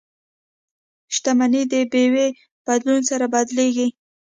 شتمني د بیو بدلون سره بدلیږي.